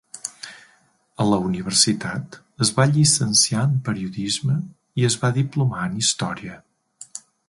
A la universitat, es va llicenciar en periodisme i es va diplomar en història.